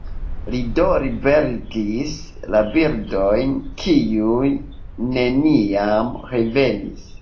Li do liberigis la birdojn, kiuj neniam revenis.